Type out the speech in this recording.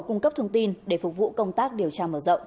cung cấp thông tin để phục vụ công tác điều tra mở rộng